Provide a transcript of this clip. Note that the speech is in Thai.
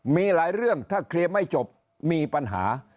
มีหลายเรื่องถ้าเคลียร์ไม่จบมีปัญหา